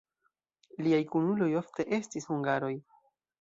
Liaj kunuloj ofte estis hungaroj.